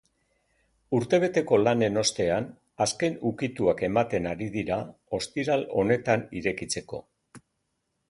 Urtebeteko lanen ostean azken ukituak ematen ari dira, ostiral honetan irekitzeko.